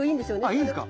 あいいんですか。